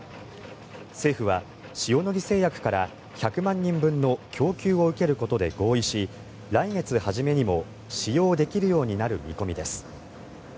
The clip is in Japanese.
政府は塩野義製薬から１００万人分の供給を受けることで合意し来月初めにも使用できるようになる見込みです。